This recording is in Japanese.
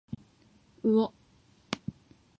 うお